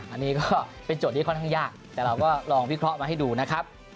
อันนี้ก็เป็นโจทย์ที่ค่อนข้างยากแต่เราก็ลองวิเคราะห์มาให้ดูนะครับ